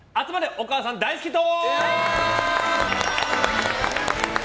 お母さん大好き党！